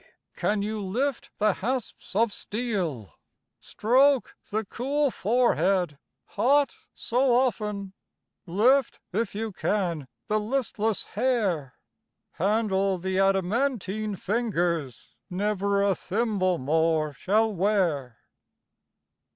can you lift the hasps of steel? Stroke the cool forehead, hot so often, Lift, if you can, the listless hair; Handle the adamantine fingers Never a thimble more shall wear.